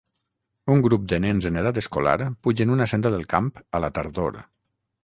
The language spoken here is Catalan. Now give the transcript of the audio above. Un grup de nens en edat escolar pugen una senda del camp a la tardor